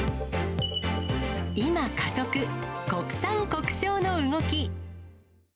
今、加速、国産国消の動き。